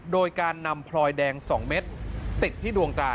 โดยการนำพลอยแดง๒เม็ดติดที่ดวงตา